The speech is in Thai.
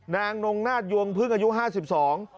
นางนงนาฏยวงพึ่งอายุห้าสิบสอง